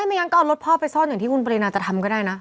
ไม่งั้นก็เอารถพ่อไปซ่อนอย่างที่คุณปรินาจะทำก็ได้นะ